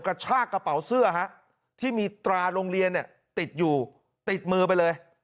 กระชากกระเป๋าเสื้อที่มีตราโรงเรียนติดอยู่ติดมือไปเลย